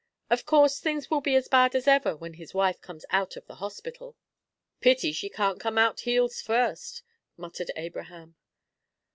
Of course things will be as bad as ever when his wife comes out of the hospital." "Pity she can't come out heels first," muttered Abraham.